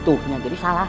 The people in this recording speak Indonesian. tuh nyagiri salah